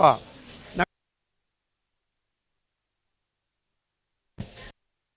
กลับรถนิยมนิดหน่อย